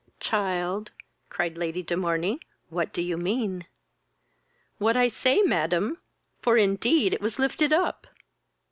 "Child, (cried Lady de Morney,) what do you mean?" "What I say, madam, for indeed it was lifted up."